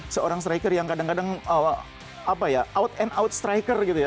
seorang striker yang kadang kadang out and out striker gitu ya